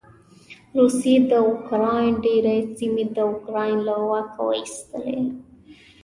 روسې د يوکراین ډېرې سېمې د یوکراين له واکه واېستلې.